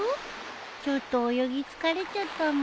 ちょっと泳ぎ疲れちゃったみたい。